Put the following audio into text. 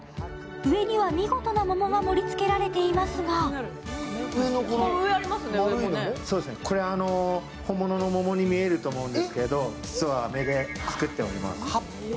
上には見事な桃が盛りつけられていますがこれは本物の桃に見えると思うんですけど、実は、あめで作っております。